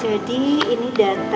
jadi ini data